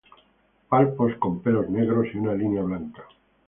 Palpos con pelos negros y una línea blanca.